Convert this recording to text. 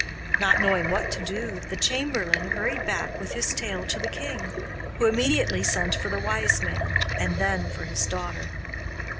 Not knowing what to do, the chamberlain hurried back with his tale to the king, who immediately sent for the Wise Man, and then for his daughter.